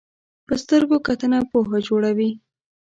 په سترګو کتنه پوهه جوړوي